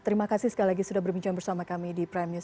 terima kasih sekali lagi sudah berbincang bersama kami di prime news